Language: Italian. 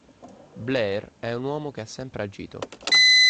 Blair è un uomo che ha sempre agito